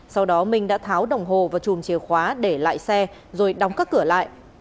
sau đó minh đã tháo đồng hồ và chùm chìa khóa để lại xe rồi đóng các cửa lại